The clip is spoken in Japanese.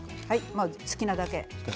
好きなだけ。